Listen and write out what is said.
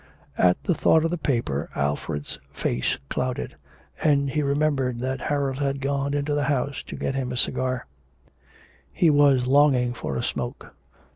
At the thought of the paper Alfred's face clouded, and he remembered that Harold had gone into the house to get him a cigar: he was longing for a smoke.